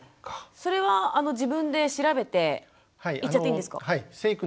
それは自分で調べて行っちゃっていいんですか？